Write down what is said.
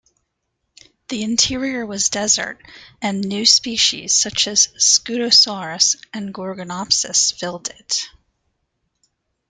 The interior was desert, and new species such as Scutosaurus and Gorgonopsids filled it.